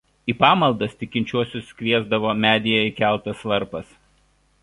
Į pamaldas tikinčiuosius kviesdavo medyje įkeltas varpas.